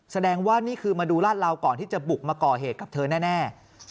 แสดงว่านี่คือมาดูลาดเหลาก่อนที่จะบุกมาก่อเหตุกับเธอแน่